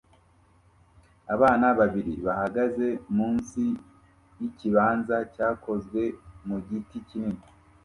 Abana babiri bahagaze munsi yikibanza cyakozwe mu giti kinini